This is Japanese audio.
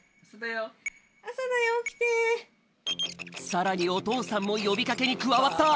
さらにおとうさんもよびかけにくわわった！